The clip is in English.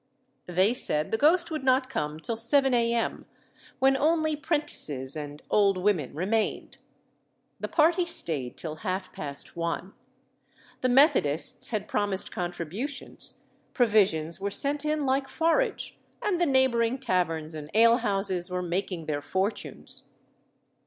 They said the ghost would not come till 7 A.M., when only 'prentices and old women remained. The party stayed till half past one. The Methodists had promised contributions, provisions were sent in like forage, and the neighbouring taverns and ale houses were making their fortunes.